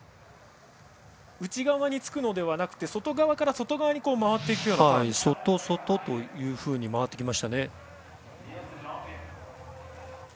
内側につくのではなくて外側から外側に外、外というふうに回ってきましたね。